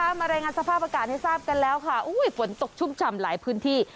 มารายงานสภาพอากาศให้ทราบกันแล้วค่ะอุ้ยฝนตกชุ่มฉ่ำหลายพื้นที่